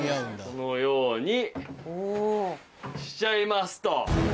このようにしちゃいますと。